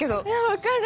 分かる。